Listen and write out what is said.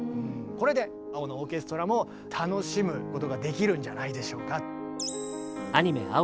これで「青のオーケストラ」も楽しむことができるんじゃないでしょうか。